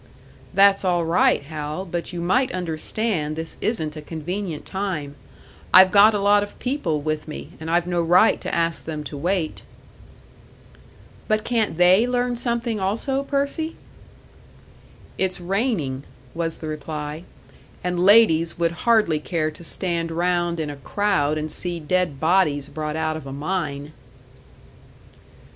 "That's all right, Hal, but you might understand this isn't a convenient time. I've got a lot of people with me, and I've no right to ask them to wait." "But can't they learn something also, Percy?" "It's raining," was the reply; "and ladies would hardly care to stand round in a crowd and see dead bodies brought out of a mine."